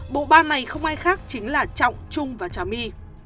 bộ ban này không ai khác chính là trọng trung và trà my